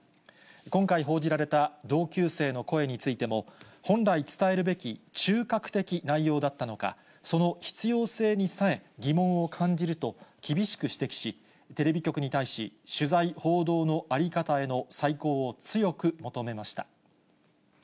今回、報じられた同級生の声についても、本来伝えるべき中核的内容だったのか、その必要性にさえ、疑問を感じると厳しく指摘し、テレビ局に対し、取材・報道の在り方への再考を強く求めました。